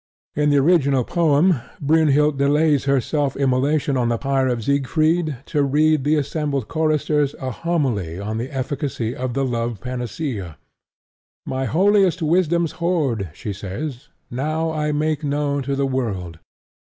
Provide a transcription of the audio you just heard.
In the original poem, Brynhild delays her self immolation on the pyre of Siegfried to read the assembled choristers a homily on the efficacy of the Love panacea. "My holiest wisdom's hoard," she says, "now I make known to the world.